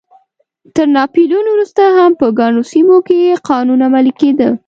تر ناپلیون وروسته هم په ګڼو سیمو کې قانون عملی کېده.